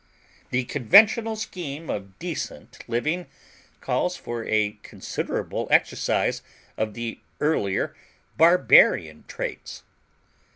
The conventional scheme of decent living calls for a considerable exercise of the earlier barbarian traits.